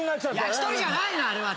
焼き鳥じゃないのあれは！